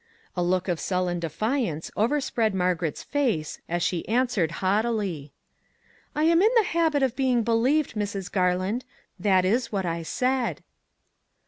" A look of sullen defiance overspread Mar garet's face as she answered haughtily :" I am in the habit of being believed, Mrs. Garland ; that is what I said."